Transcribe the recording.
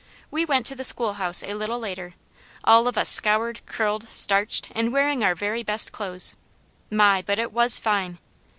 We went to the schoolhouse a little later, all of us scoured, curled, starched, and wearing our very best clothes. My! but it was fine.